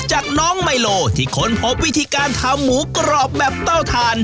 จากน้องไมโลที่ค้นพบวิธีการทำหมูกรอบแบบเต้าทาน